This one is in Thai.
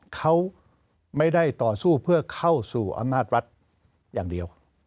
เขาไม่ได้ต่อสู้เพื่อเข้าสู่อำนาจรัฐอย่างเดียว